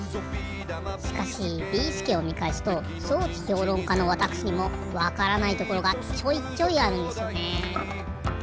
しかしビーすけをみかえすと装置評論家のわたくしにもわからないところがちょいちょいあるんですよね。